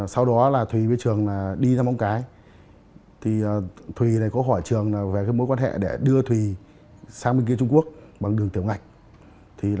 sau đó là thùy với trường đi ra móng cái thùy này có hỏi trường về mối quan hệ để đưa thùy sang bên kia trung quốc bằng đường tiểu ngạch